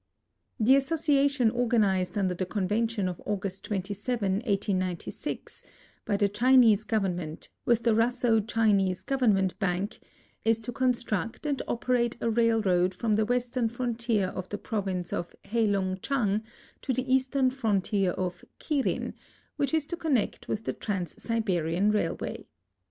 The association organized under the convention of August 27, 1896, b}^ the Chinese government ,with the Russo Chinese Gov ernment Bank, is to construct and operate a railroad from the western frontier of the province of Heilung Chang to the eastern frontier of Kirin, which is to connect with the Trans Siberian railway.